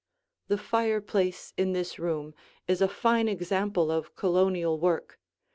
The fireplace in this room is a fine example of Colonial work.